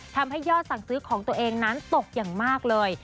ทำให้ยอดสั่งซื้อของตัวเองนั้นตกอย่างมากเลย